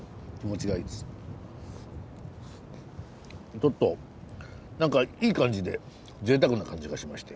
ちょっと何かいい感じでぜいたくな感じがしましたよ。